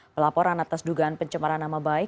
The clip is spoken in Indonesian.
pelaporan atas dugaan pencemaran nama baik